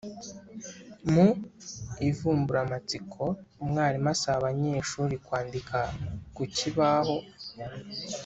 Mu ivumburamatsiko, umwarimu asaba abanyeshuri kwandika ku kibaho